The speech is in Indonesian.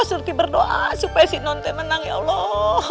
surki berdoa supaya si nonte menang ya allah